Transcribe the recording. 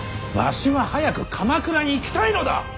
わしは早く鎌倉に行きたいのだ！